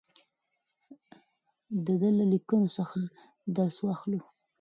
د ده له لیکنو څخه درس واخلو.